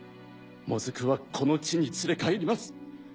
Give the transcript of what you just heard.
モズクはこの地に連れ帰ります。